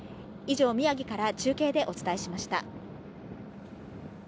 以上、宮城から中継でお伝えしました。